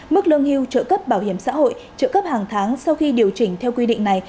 mức lương hưu trợ cấp bảo hiểm xã hội trợ cấp hàng tháng sau khi điều chỉnh theo quy định này